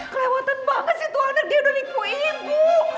kelewatan banget sih itu anak dia dari ibu ibu